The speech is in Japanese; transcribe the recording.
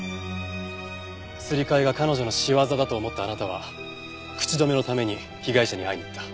すり替えが彼女の仕業だと思ったあなたは口止めのために被害者に会いに行った。